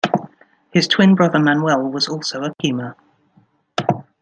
His twin brother Manuel was also a "Puma".